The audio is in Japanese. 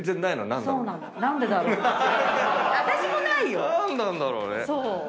何なんだろうね。